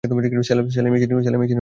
সেলাই মেশিনে কি আগুন লেগেছে?